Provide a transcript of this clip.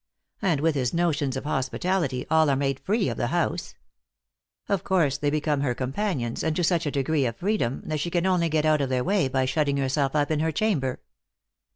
And with his notions of hospitality, all are made free of the house. Of course, they become her companions, and to such a degree of freedom, that she can only get out of their way by shutting herself up in her chamber.